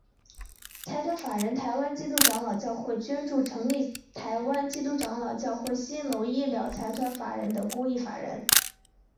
财团法人台湾基督长老教会捐助成立台湾基督长老教会新楼医疗财团法人等公益法人。